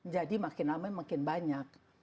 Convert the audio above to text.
jadi makin lama makin banyak